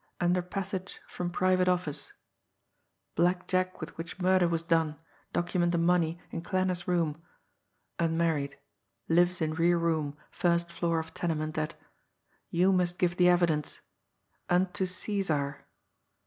under passage from private office ... blackjack with which murder was done, document and money in Klanner's room ... unmarried ... lives in rear room, first floor of tenement at ... you must get the evidence ... unto Caesar!..